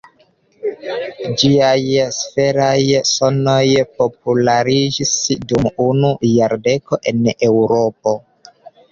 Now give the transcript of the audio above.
Ĝiaj sferaj sonoj populariĝis dum unu jardeko en Eŭropo.